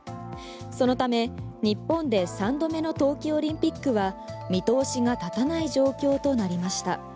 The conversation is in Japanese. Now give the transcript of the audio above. そのため日本で３度目の冬季オリンピックは見通しが立たない状況となりました。